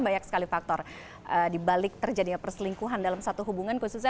banyak sekali faktor dibalik terjadinya perselingkuhan dalam satu hubungan khususnya